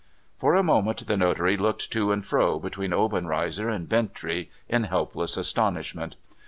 For a moment the notary looked to and fro, between Obenreizer and Bintrey, in helpless astonishment.